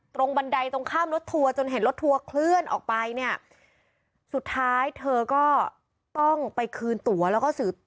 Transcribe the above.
บันไดตรงข้ามรถทัวร์จนเห็นรถทัวร์เคลื่อนออกไปเนี่ยสุดท้ายเธอก็ต้องไปคืนตัวแล้วก็สื่อ